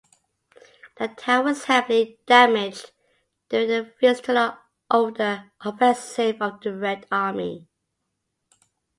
The town was heavily damaged during the Vistula-Oder Offensive of the Red Army.